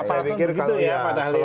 apalagi itu begitu ya pak dahlil